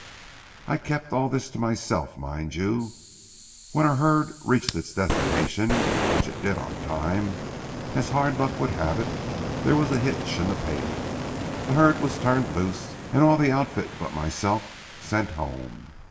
I kept all this to myself, mind you. When our herd reached its destination, which it did on time, as hard luck would have it there was a hitch in the payment. The herd was turned loose and all the outfit but myself sent home.